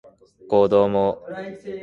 こども